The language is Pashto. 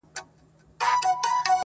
که زه مړ سوم لېري یو نسي زما مړی,